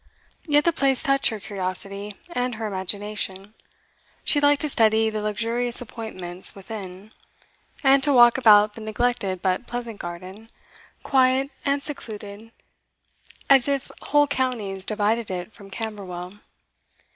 Yet the place touched her curiosity and her imagination; she liked to study the luxurious appointments within, and to walk about the neglected but pleasant garden, quiet and secluded as if whole counties divided it from Camberwell.